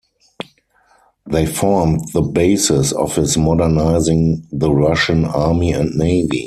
They formed the basis of his modernizing the Russian army and navy.